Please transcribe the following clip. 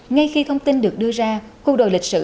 ngay khi thông tin được đưa ra khu đồ lịch sử